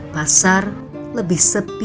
pasar lebih sepi